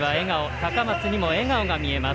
高松にも笑顔が見えます。